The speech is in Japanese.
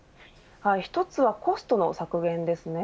一つはコストの削減ですね。